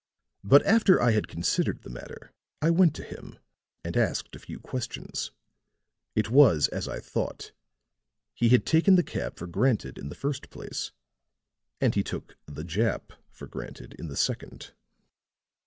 But after I had considered the matter I went to him and asked a few questions. It was as I thought. He had taken the cab for granted in the first place, and he took the Jap for granted in the second."